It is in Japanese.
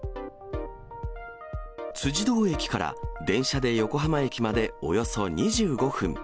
辻堂駅から電車で横浜駅までおよそ２５分。